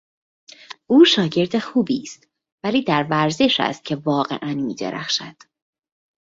او شاگرد خوبی است ولی در ورزش است که واقعا میدرخشد.